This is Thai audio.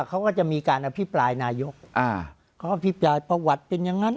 เขาก็จะมีการอภิปรายนายกอ่าเขาอภิปรายประวัติเป็นอย่างนั้น